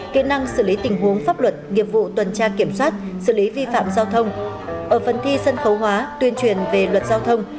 kỹ năng xử lý tình huống pháp luật nghiệp vụ tuần tra kiểm soát xử lý vi phạm giao thông